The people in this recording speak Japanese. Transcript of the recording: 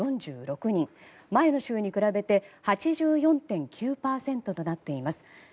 前の週に比べて８９．４％となっています。